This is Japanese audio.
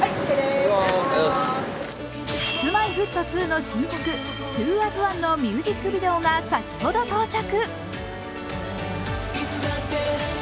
Ｋｉｓ−Ｍｙ−Ｆｔ２の新曲「ＴｗｏａｓＯｎｅ」のミュージックビデオが先ほど到着。